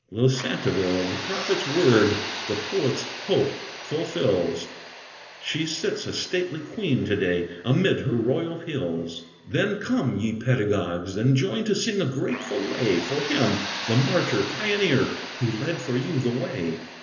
Losantiville, the prophet's word, The poet's hope fulfils, She sits a stately Queen to day Amid her royal hills! Then come, ye pedagogues, and join To sing a grateful lay For him, the martyr pioneer, Who led for you the way.